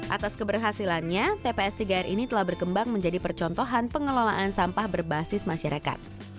atas keberhasilannya tps tiga r ini telah berkembang menjadi percontohan pengelolaan sampah berbasis masyarakat